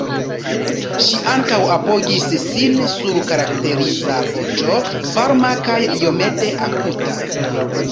Ŝi ankaŭ apogis sin sur karakteriza voĉo, varma kaj iomete akuta.